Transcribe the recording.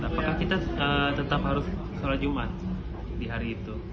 apakah kita tetap harus sholat jumat di hari itu